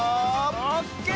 オッケー！